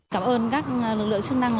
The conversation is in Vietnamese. cảm ơn các lực lượng sức năng